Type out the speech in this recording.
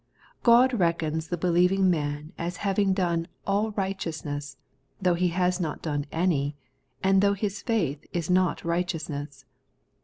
God reckons the believing man as having done all righteousness, though he has not done any, and though his faith is not righteousness.